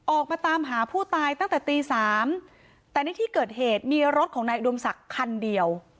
ออกมาตามหาผู้ตายตั้งแต่ตีสามแต่ในที่เกิดเหตุมีรถของนายอุดมศักดิ์คันเดียว